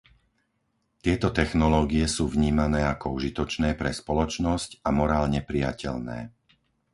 Tieto technológie sú vnímané ako užitočné pre spoločnosť a morálne prijateľné.